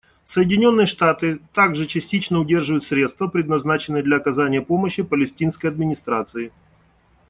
Соединенные Штаты также частично удерживают средства, предназначенные для оказания помощи Палестинской администрации.